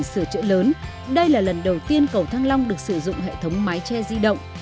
sau hai lần sửa chữa lớn đây là lần đầu tiên cầu thăng long được sử dụng hệ thống mái tre di động